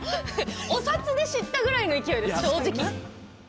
お札で知ったぐらいの勢いです正直。